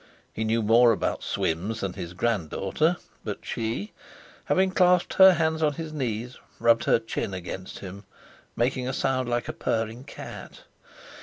He knew more about "swims" than his granddaughter. But she, having clasped her hands on his knees, rubbed her chin against him, making a sound like a purring cat.